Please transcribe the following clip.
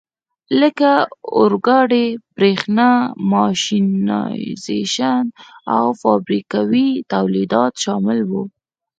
لکه اورګاډي، برېښنا، ماشینایزېشن او فابریکوي تولیدات شامل وو.